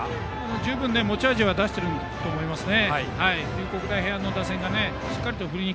十分持ち味は出していると思いますね。